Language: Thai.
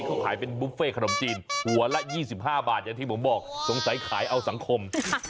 เขาขายเป็นบุฟเฟ่ขนมจีนหัวละ๒๕บาทอย่างที่ผมบอกสงสัยขายเอาสังคม